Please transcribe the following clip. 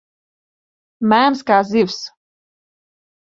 Mēms kā zivs.